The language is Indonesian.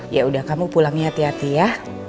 yaudah kamu pulangnya hati hati ya